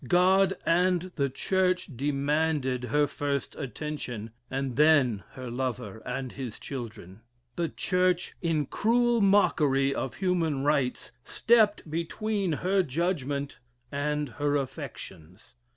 God and the Church demanded her first attention, and then her lover and his children. The Church, in cruel mockery of human rights, stepped between her judgment and her affections.